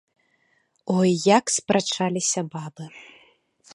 Ой, як спрачаліся бабы.